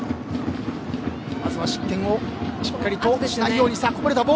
まずは失点をしっかりとしないように。